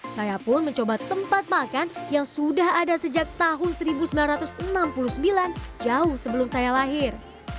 saya pun mencoba tempat makan yang sudah ada sejak tahun seribu sembilan ratus enam puluh sembilan jauh sebelum saya lahir